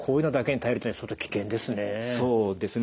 そうですね。